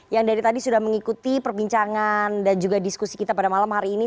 yang dari tadi sudah mengikuti perbincangan dan juga diskusi kita pada malam hari ini